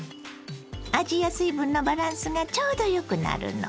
味や水分のバランスがちょうどよくなるの。